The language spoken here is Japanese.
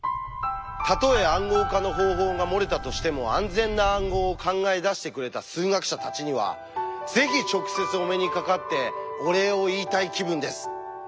たとえ「暗号化の方法」が漏れたとしても安全な暗号を考え出してくれた数学者たちにはぜひ直接お目にかかってお礼を言いたい気分です。